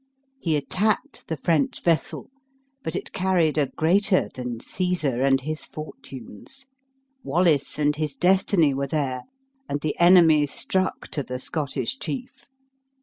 He attacked the French vessel, but it carried a greater than Caesar and his fortunes; Wallace and his destiny were there, and the enemy struck to the Scottish chief.